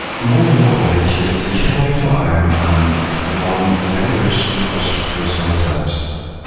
Mono orientiert sich dabei vor allem am Common-Language-Infrastructure-Standard.